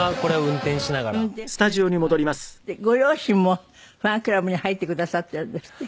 ご両親もファンクラブに入ってくださってるんですって？